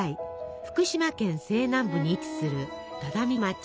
福島県西南部に位置する只見町。